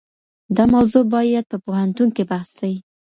دا موضوع بايد په پوهنتون کي بحث سي.